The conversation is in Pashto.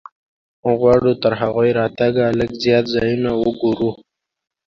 غواړو تر هغوی راتګه لږ زیات ځایونه وګورو.